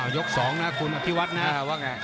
ยก๒นะคุณอธิวัฒน์นะว่าไง